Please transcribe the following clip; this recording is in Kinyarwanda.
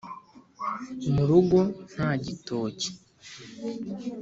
mu rugo nta gitoki